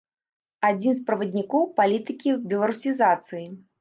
Адзін з праваднікоў палітыкі беларусізацыі.